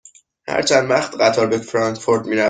هر چند وقت قطار به فرانکفورت می رود؟